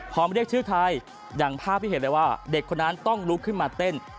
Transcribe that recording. พอมาเรียกชื่อไทยอย่างภาพที่เห็นเลยว่าเด็กคนนั้นต้องลุกขึ้นมาเต้น